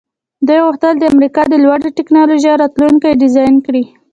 دوی غوښتل د امریکا د لوړې ټیکنالوژۍ راتلونکی ډیزاین کړي